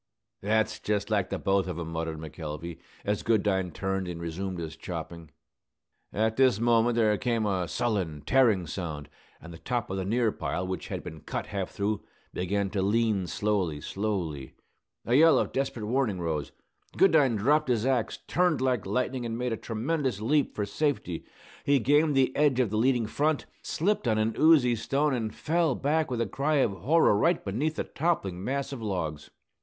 "That's just like the both of 'em," muttered McElvey, as Goodine turned and resumed his chopping. At this moment there came a sullen, tearing sound; and the top of the near pile, which had been half cut through, began to lean slowly, slowly. A yell of desperate warning arose. Goodine dropped his axe, turned like lightning, and made a tremendous leap for safety. He gained the edge of the landing front, slipped on an oozy stone, and fell back with a cry of horror right beneath the toppling mass of logs.